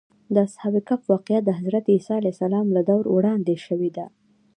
د اصحاب کهف واقعه د حضرت عیسی له دور وړاندې شوې ده.